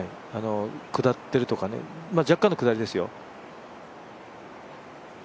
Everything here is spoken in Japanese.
下っているとか、若干の下りですよ